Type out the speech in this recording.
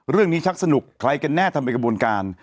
เรื่องนี้ชักสนุกใครก็แน่ทำเป็นกระบวนการ